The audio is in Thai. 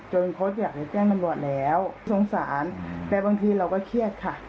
โค้ชอยากไปแจ้งตำรวจแล้วสงสารแต่บางทีเราก็เครียดค่ะ